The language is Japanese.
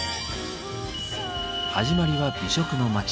始まりは美食の街